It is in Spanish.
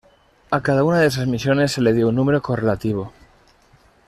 A cada una de esas misiones, se le dio un número correlativo.